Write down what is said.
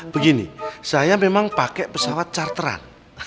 begini saya memang pakai pesawat charteran